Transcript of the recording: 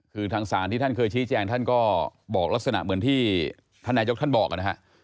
คือทางศาลที่ท่านเคยชี้แจงท่านก็บอกลักษณะเหมือนที่ท่านนายกท่านบอกนะฮะ